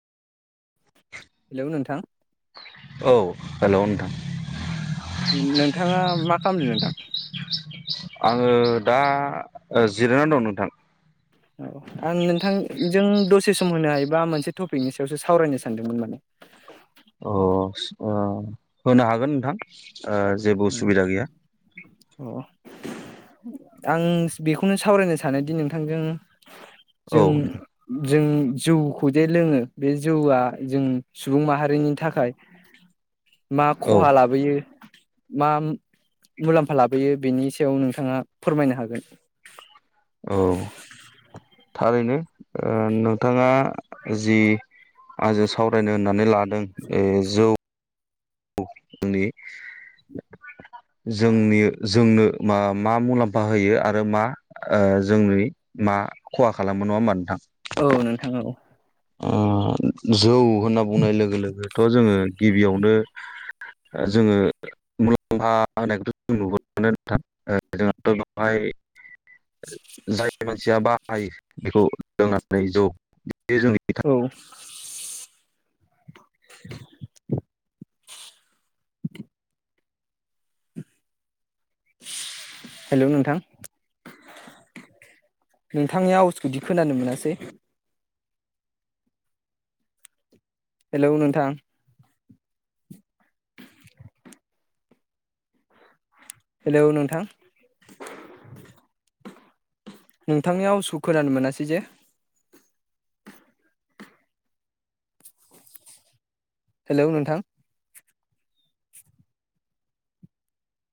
Hello नोंथां औ hello नोंथां नोंथाङा मा खालामदों नोंथां। आङो दा जिरायनानै दं नोंथां औ आं नोंथां जों दस से सम होनो होनो हायोबा मोनसे टपिकनि सायावसो सावरायनो सानदोंमोन माने अ ओ होनो हागोन नोंथां। ओ जेबो उसुबिदा गैया अ आं बेखौनो सावरायनो सानोदि नोंथांजों। औ जों जों जौखौ जे लोङो बे जौआ जों सुबुं माहारिनि थाखाय मा औ खहा लाबोयो। मा मुलाम्फा लाबोयो बेनि सायाव नोंथाङा फोरमायनो हागोन। औ थारैनो ओ नोंथाङा जि आंजों सावरायनो होननानै लादों। दों ए जौ औ जोंनि जोंनि जोंनो मा मा मुलाम्फा होयो आरो मा जोंनि मा खहा खालामो नङा होमबा नोंथां? औ नोंथां औ उम जौ होनना बुंनाय लोगो लोगोथ' जोङो गिबियावनो जोङो मुलाम्फा होनायखौथ' जों नुबो न [unintelligible] थ' बेवहाय। जायो। जिया बाहायो बेखौ लोंनानै जौ बे जों औ [inaudible] हेलौ नोंथां नोंथांनि आवजखौदि खोनानो मोनासै हेलौ नोंथां। [inaudible] हेलौ नोंथां। नोंथांनियावसु खोनानो मोनासै जे हेलौ नोंथां।